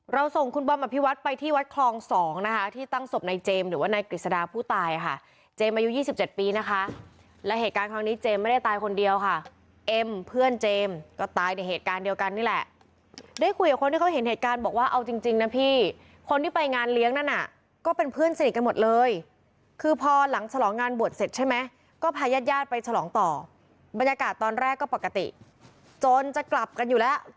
เราส่งคุณบอมอภิวัตรไปที่วัดคลอง๒นะคะที่ตั้งศพในเจมส์หรือว่าในกฤษฎาผู้ตายค่ะเจมส์อายุ๒๗ปีนะคะและเหตุการณ์ครั้งนี้เจมส์ไม่ได้ตายคนเดียวค่ะเอ็มเพื่อนเจมส์ก็ตายในเหตุการณ์เดียวกันนี่แหละได้คุยกับคนที่เขาเห็นเหตุการณ์บอกว่าเอาจริงนะพี่คนที่ไปงานเลี้ยงนั้นอ่ะก็เป็นเพื่อนสนิทกันหมด